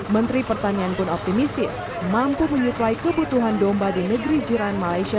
menteri pertanian pun optimistis mampu menyuplai kebutuhan domba di negeri jiran malaysia